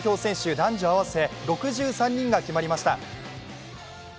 男女合わせ６３人が決まりました。